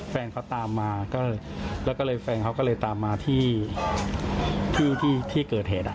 แฟนเขาตามมาแล้วแฟนเขาก็เลยตามมาที่เกิดเหตุ